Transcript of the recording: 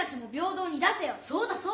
そうだそうだ。